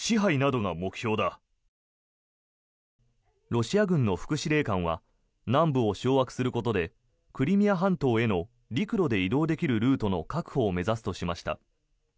ロシア軍の副司令官は南部を掌握することでクリミア半島への陸路で移動できるルートの確保を目指すとしました。